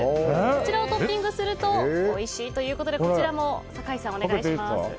こちらをトッピングするとおいしいということでこちらも酒井さん、お願いします。